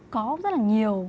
có rất là nhiều